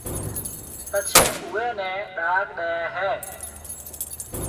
پڇيَ اوئيَ نيَ ڏاگ ڏَي ھيََََ